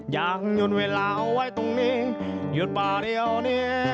อยากหยุดเวลาไว้ตรงนี้หยุดป่าเดียวเนี่ย